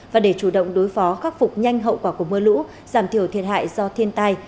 và để chủ động đối phó khắc phục nhanh hậu quả của mưa lũ giảm thiểu thiệt hại do thiên tai